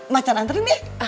macan antren ya